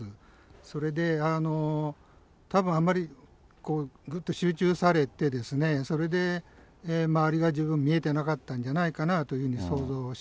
それで、たぶんあんまり、ぐっと集中されてそれで周りが十分見えてなかったんじゃないかな